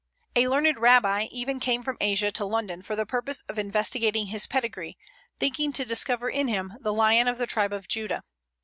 A learned Rabbi even came from Asia to London for the purpose of investigating his pedigree, thinking to discover in him the "Lion of the tribe of Judah."